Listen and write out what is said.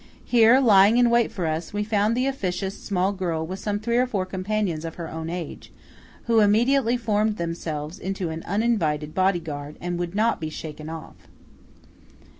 Here, lying in wait for us, we found the officious small girl with some three or four companions of her own age, who immediately formed themselves into an uninvited body guard and would not be shaken off.